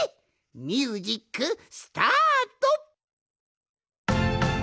ミュージックスタート！